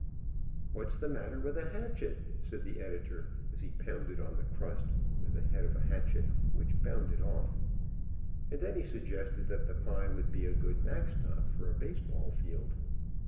"What's the matter with a hatcfiet," said the Editor, as he pounded on the crust with the head of a hatchet, which bounded off, and then he sug gested that the pie would be a good backstop for a baseball field.